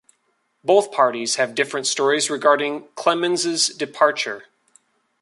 Both parties have different stories regarding Clemens's departure.